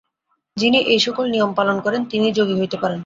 যিনি এই-সকল নিয়ম পালন করেন, তিনিই যোগী হইতে পারেন।